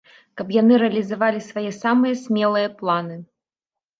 Каб яны рэалізавалі свае самыя смелыя планы.